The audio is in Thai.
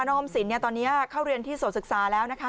อมสินตอนนี้เข้าเรียนที่โสดศึกษาแล้วนะคะ